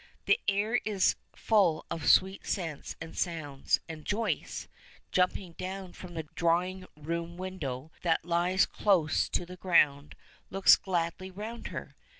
The air is full of sweet scents and sounds, and Joyce, jumping down from the drawing room window, that lies close to the ground, looks gladly round her.